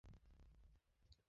কথা বলতে এরা পছন্দ করে।